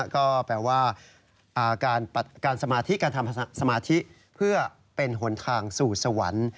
ก็แปลว่าการสมาธิการทำสมาธิเพื่อเป็นหนทางสู่สวรรค์